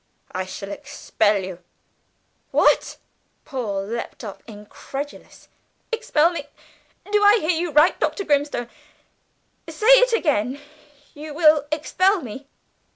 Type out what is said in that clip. I shall expel you." "What!" Paul leaped up incredulous. "Expel me? Do I hear you aright, Dr. Grimstone? Say it again you will expel me?"